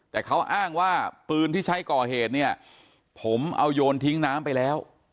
แต่เขาอ้างว่าปืนที่ใช้ก่อเหตุเนี่ยผมเอาโยนทิ้งน้ำไปแล้ว